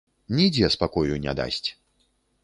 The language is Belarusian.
Нідзе спакою не дасць.